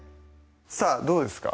さぁどうですか？